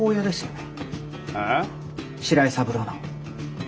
白井三郎の。